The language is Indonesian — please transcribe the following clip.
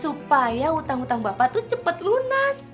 supaya utang utang bapak tuh cepat lunas